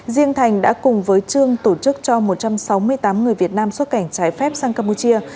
riêng thành đã cùng với trương tổ chức cho một trăm sáu mươi tám người việt nam xuất cảnh trái phép sang campuchia